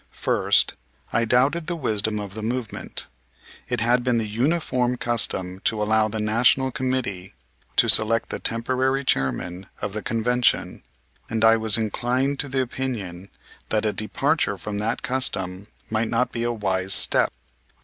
First, I doubted the wisdom of the movement. It had been the uniform custom to allow the National Committee to select the temporary chairman of the Convention, and I was inclined to the opinion that a departure from that custom might not be a wise step.